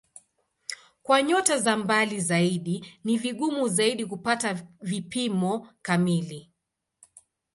Kwa nyota za mbali zaidi ni vigumu zaidi kupata vipimo kamili.